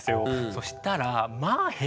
そしたらまあえ。